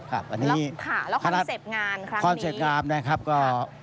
แล้วคอนเซ็ปต์งานครั้งนี้